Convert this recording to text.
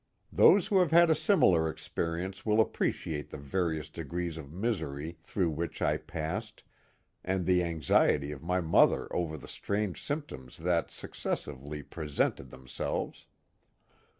Those who have had a similar experience will appreciate the various degrees of misery through which I passed, and the anxiety of my mother over the strange symptoms that successively pre sented themselves.